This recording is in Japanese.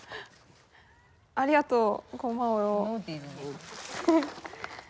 ありがとう。